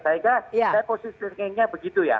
saya posisi thinking nya begitu ya